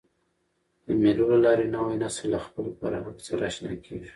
د مېلو له لاري نوی نسل له خپل فرهنګ سره اشنا کېږي.